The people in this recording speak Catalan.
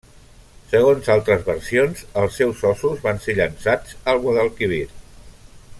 Segons altres versions, els seus ossos van ser llançats al Guadalquivir.